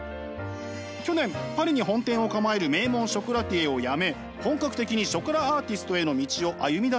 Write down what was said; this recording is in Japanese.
去年パリに本店を構える名門ショコラティエを辞め本格的にショコラアーティストへの道を歩みだしました。